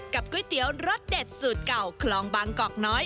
ก๋วยเตี๋ยวรสเด็ดสูตรเก่าคลองบางกอกน้อย